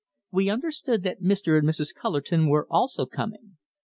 We understood that Mr. and Mrs. Cullerton were also coming.